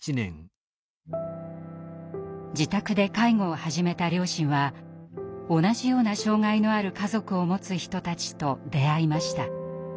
自宅で介護を始めた両親は同じような障害のある家族を持つ人たちと出会いました。